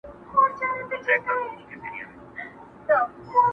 بیا دي څه الهام د زړه په ښار کي اورېدلی دی٫٫